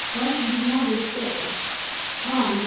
Why should we longer stay? On!